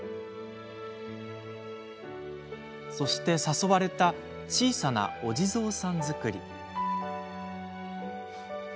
そして誘われた小さなお地蔵さん作り。